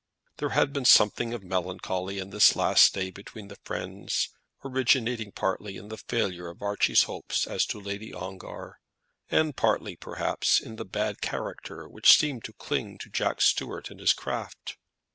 There had been something of melancholy in this last day between the friends, originating partly in the failure of Archie's hopes as to Lady Ongar, and partly perhaps in the bad character which seemed to belong to Jack Stuart and his craft.